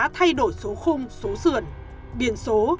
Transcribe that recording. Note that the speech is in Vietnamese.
thay đổi số khung số sườn biển số